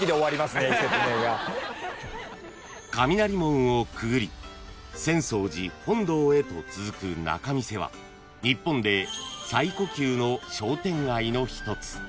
［雷門をくぐり浅草寺本堂へと続く仲見世は日本で最古級の商店街の一つ］